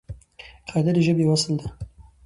قاعده د ژبې یو اصل دئ.